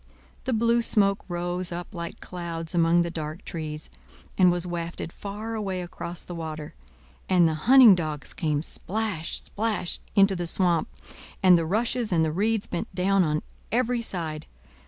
The blue smoke rose up like clouds among the dark trees, and was wafted far away across the water; and the hunting dogs came—splash, splash!—into the swamp, and the rushes and the reeds bent down on every side.